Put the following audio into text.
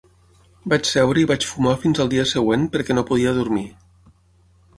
Vaig seure i vaig fumar fins al dia següent, perquè no podia dormir.